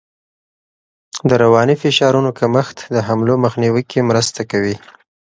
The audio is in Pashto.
د رواني فشارونو کمښت د حملو مخنیوی کې مرسته کوي.